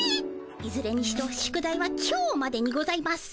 いずれにしろ宿題は今日までにございます。